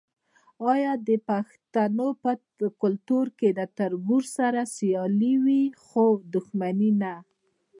آیا د پښتنو په کلتور کې د تربور سره سیالي وي خو دښمني نه؟